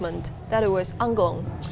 itu adalah angklung